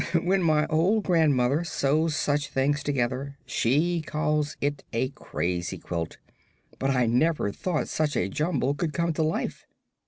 "When my old grandmother sews such things together she calls it a crazy quilt; but I never thought such a jumble could come to life."